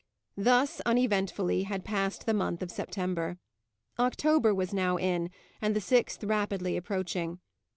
Thus uneventfully had passed the month of September. October was now in, and the sixth rapidly approaching.